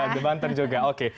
di banten juga oke